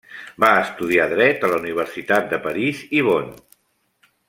Va estudiar dret a la Universitat de París i Bonn.